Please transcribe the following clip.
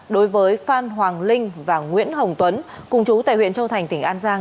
đối với phan hoàng linh và nguyễn hồng tuấn cùng chú tại huyện châu thành tỉnh an giang